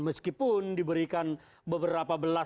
meskipun diberikan beberapa pertanyaan